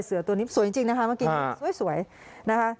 เสือตัวนี้สวยจริงนะคะเมื่อกี้นี้สวยนะคะ